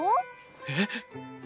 えっ？